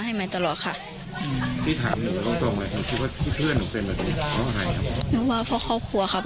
ไหนว่าพ่อครอบครัวค่ะ